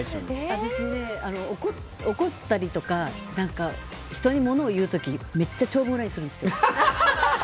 私、怒ったりとか人にものをいう時めっちゃ長文ＬＩＮＥするんです。